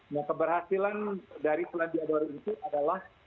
nah keberhasilan dari selandia baru itu adalah